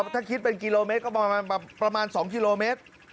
ถ้าคิดเป็นกิโลเมตรก็ประมาณ๒กิโลเมตร